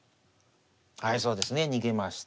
はいそうですね逃げました。